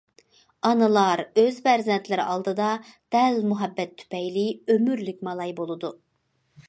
ئانىلار ئۆز پەرزەنتلىرى ئالدىدا دەل مۇھەببەت تۈپەيلى ئۆمۈرلۈك مالاي بولىدۇ.